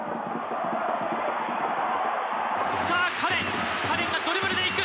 さあカレンカレンがドリブルでいく！